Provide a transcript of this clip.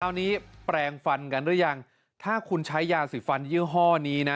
อันนี้แปลงฟันกันหรือยังถ้าคุณใช้ยาสีฟันยี่ห้อนี้นะ